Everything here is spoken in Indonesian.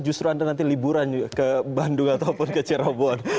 justru anda nanti liburan ke bandung ataupun ke cirebon